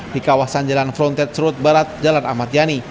di kawasan jalan frontier surut barat jalan ahmad yani